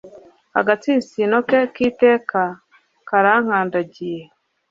agatsinsino ke k'iteka karankandagiye